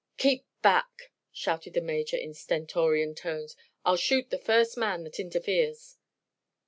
"Keep back!" shouted the Major, in stentorian tones, "I'll shoot the first man that interferes."